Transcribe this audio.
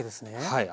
はい。